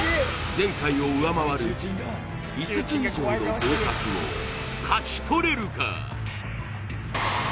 前回を上回る５つ以上の合格を勝ち取れるか？